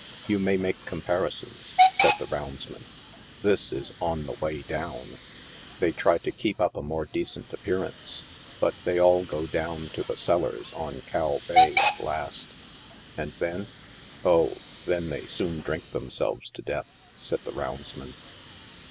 " You may make comparisons," said the roundsman. " This is on the way down ! They try to keep up a more decent appearance, but they all go down'to the cellars on ' Cow Bay ' at last." « And then ?"" Oh ! then they soon drink themselves to death," said the rounds man.